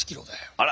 あら！